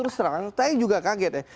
saya juga kaget ya